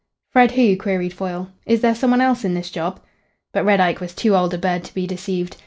"Fred who?" queried Foyle. "Is there some one else in this job?" But Red Ike was too old a bird to be deceived.